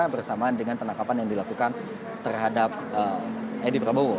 bersama dengan penangkapan yang dilakukan terhadap edi prabowo